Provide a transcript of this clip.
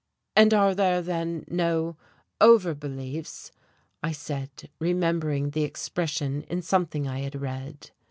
"And are there, then, no 'over beliefs'?" I said, remembering the expression in something I had read.